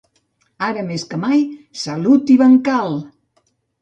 Ara més que mai, salut i bancal!